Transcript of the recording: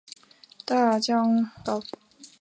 大将军以下各级环卫官也作为武臣责授散官。